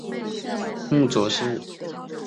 母翟氏。